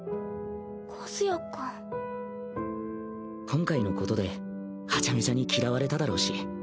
今回のことではちゃめちゃに嫌われただろうし。